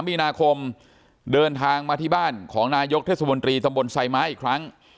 มีนาคมเดินทางมาที่บ้านของนายกเทศมนตรีตำบลไซม้าอีกครั้ง